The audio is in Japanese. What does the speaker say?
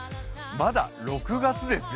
まだ６月ですよ。